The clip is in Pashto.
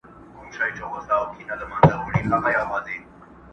د شپې دي د مُغان په کور کي ووینم زاهده!.